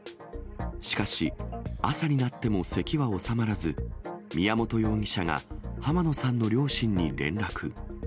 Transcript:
しかし、朝になってもせきは治まらず、宮本容疑者が浜野さんの両親に連絡。